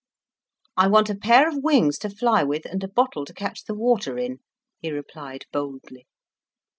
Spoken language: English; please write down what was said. "I want a pair of wings to fly with, and a bottle to catch the water in," he replied boldly.